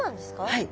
はい。